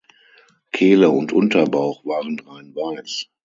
Kehle und Unterbauch waren reinweiß.